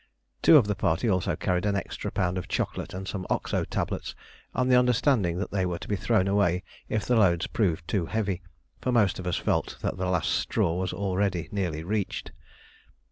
Two of the party also carried an extra pound of chocolate and some Oxo tablets, on the understanding that they were to be thrown away if the loads proved too heavy, for most of us felt that the last straw was already nearly reached.